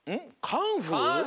カンフー？